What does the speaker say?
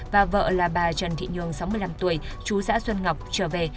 và vợ là bà trần thị nhường sáu mươi năm tuổi chú xã xuân ngọc trở về